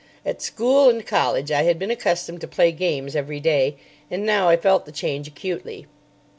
At school and college I had been accustomed to play games every day, and now I felt the change acutely.